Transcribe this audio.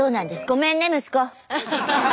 ごめんね息子！